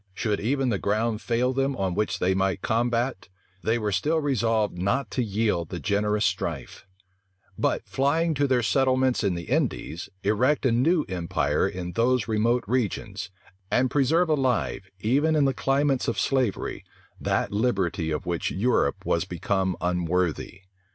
Should even the ground fail them on which they might combat, they were still resolved not to yield the generous strife; but, flying to their settlements in the Indies, erect a new empire in those remote regions, and preserve alive, even in the climates of slavery, that liberty of which Europe was become unworthy.